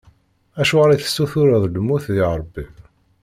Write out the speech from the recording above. Acuɣer i tessutureḍ lmut di Rebbi?